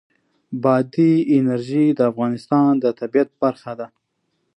بادي انرژي د افغانستان د طبیعت برخه ده.